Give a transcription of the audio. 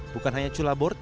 bukan hanya cula board